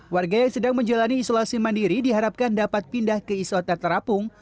warga yang sedang menjalani isolasi mandiri diharapkan dapat pindah ke isoter terapung